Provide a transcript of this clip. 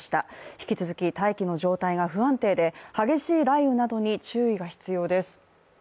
引き続き、大気の状態が不安定で激しい雷雨などに注意が必要です。